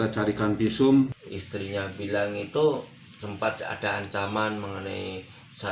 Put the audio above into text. jadi saya ingat saya segera